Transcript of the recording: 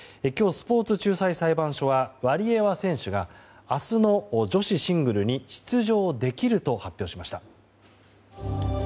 今日、スポーツ仲裁裁判所はワリエワ選手が明日の女子シングルに出場できると発表しました。